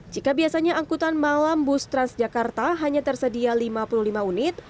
jika biasanya angkutan malam bus transjakarta hanya tersedia lima puluh lima unit